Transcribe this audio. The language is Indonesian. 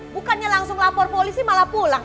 bukannya langsung lapor polisi malah pulang